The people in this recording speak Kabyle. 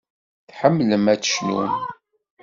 Tḥemmlem ad tecnum.